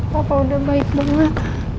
papa udah baik banget